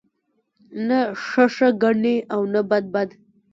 نه ښه ښه گڼي او نه بد بد